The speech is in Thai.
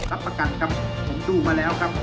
รับประกันครับผมดูมาแล้วครับ